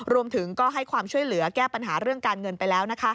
รวมถึงก็ให้ความช่วยเหลือแก้ปัญหาเรื่องการเงินไปแล้ว